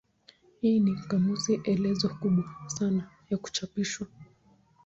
Hii ni kamusi elezo kubwa sana ya kuchapishwa.